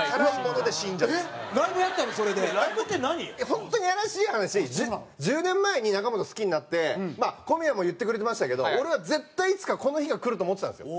本当にやらしい話１０年前に中本好きになってまあ小宮も言ってくれてましたけど俺は絶対いつかこの日がくると思ってたんですよ。